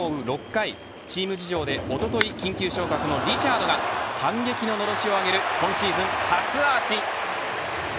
６回チーム事情で、おととい緊急昇格のリチャードが反撃ののろしを上げる今シーズン初アーチ。